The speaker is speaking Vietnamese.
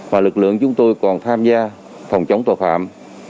và lực lượng chúng tôi còn tham gia phòng chống tội phạm